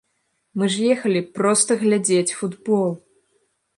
Мы ж ехалі проста глядзець футбол.